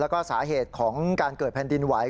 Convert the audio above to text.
แล้วก็สาเหตุของการเกิดแผ่นดินไหว